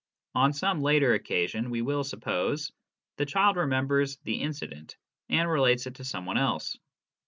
On some later occasion, we will suppose, the child remembers the incident and relates it to some one else.